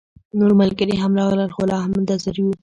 نور ملګري هم راغلل، خو لا هم منتظر يو